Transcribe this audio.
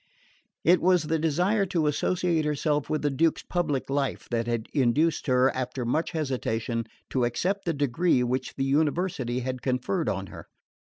It was the desire to associate herself with the Duke's public life that had induced her, after much hesitation, to accept the degree which the University had conferred on her.